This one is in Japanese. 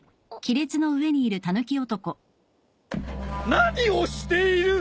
何をしている！